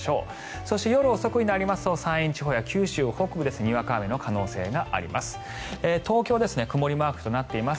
そして夜遅くになりますと山陰地方や九州北部でにわか雨の可能性があります。